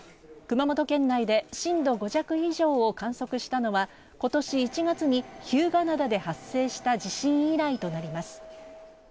熊本県内で震度５弱以上を観測したのは、今年１月に日向灘で発生した地震以来となります。